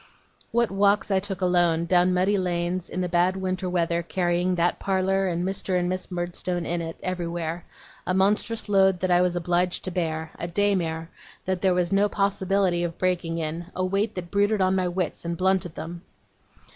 What walks I took alone, down muddy lanes, in the bad winter weather, carrying that parlour, and Mr. and Miss Murdstone in it, everywhere: a monstrous load that I was obliged to bear, a daymare that there was no possibility of breaking in, a weight that brooded on my wits, and blunted them!